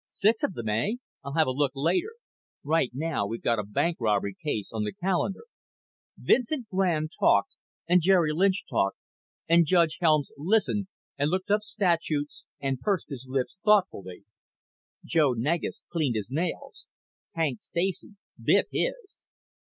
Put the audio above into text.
"Six of them, eh? I'll have a look later. Right now we've got a bank robbery case on the calendar." Vincent Grande talked and Jerry Lynch talked and Judge Helms listened and looked up statutes and pursed his lips thoughtfully. Joe Negus cleaned his nails. Hank Stacy bit his.